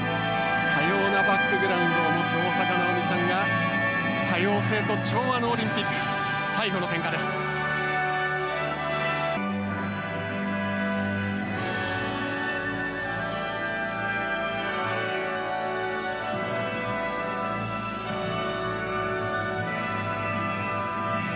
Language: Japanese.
多様なバックグランドを持つ大坂なおみさんが、多様性と調和のオリンピック、最後の点火です。